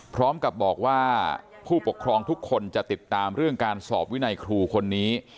พร้อมกับบอกว่าผู้ปกครองทุกคนจะติดตามเรื่องการสอบวินัยครูคนนี้